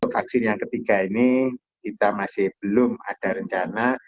vaksin yang ketiga ini kita masih belum ada rencana